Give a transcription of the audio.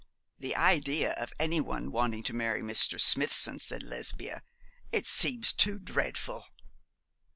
'The idea of any one wanting to marry Mr. Smithson,' said Lesbia. 'It seems too dreadful.'